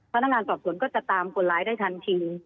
พนักงานสอบสวนก็จะตามคนร้ายได้ทันที